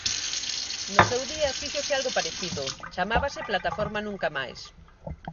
No seu día fíxose algo parecido: chamábase Plataforma Nunca Máis.